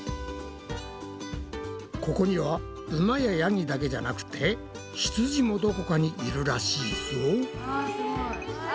ここにはウマやヤギだけじゃなくてひつじもどこかにいるらしいぞ。